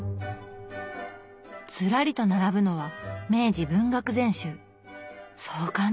ずらりと並ぶのは明治文学全集壮観ですね。